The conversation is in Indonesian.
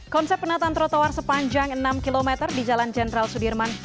konsep penataan trotoar sepanjang enam km di jalan jenderal sudirman